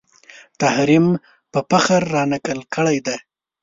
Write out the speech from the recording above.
تحریم په فخر رانقل کړی دی